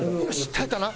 耐えたな？